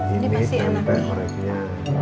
ini tempe gorengnya